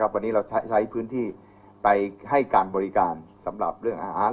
วันนี้เราใช้พื้นที่ไปให้การบริการสำหรับเรื่องอาหาร